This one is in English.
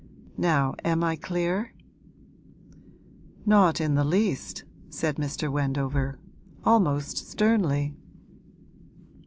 Now am I clear?' 'Not in the least,' said Mr. Wendover, almost sternly.